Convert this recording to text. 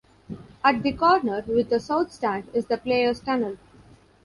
At the corner with the South Stand is the players' tunnel.